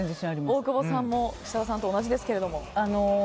大久保さんも設楽さんと同じですが。